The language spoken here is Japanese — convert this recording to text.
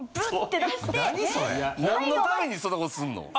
何のためにそんなことすんの？